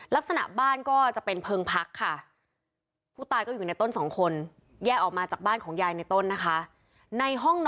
ลักษณะบ้านก็จะเป็นเพลิงพักค่ะผู้ตายก็อยู่ในต้นสองคนแยกออกมาจากบ้านของยายในต้นนะคะ